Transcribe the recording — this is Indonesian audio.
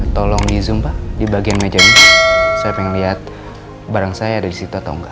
tolong di zoom pak di bagian meja ini saya pengen lihat barang saya ada di situ atau enggak